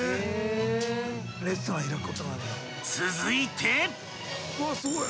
［続いて］